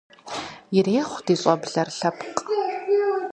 Ирехъу ди щӀэблэр лъэпкъ!